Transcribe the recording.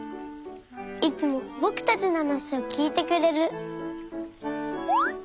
いつもぼくたちのはなしをきいてくれる。